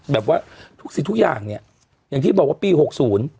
แบบว่าทุกสิ่งทุกอย่างเนี่ยอย่างที่บอกว่าปีหกศูนย์